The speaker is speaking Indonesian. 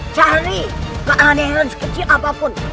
cari keanehan sekecil apapun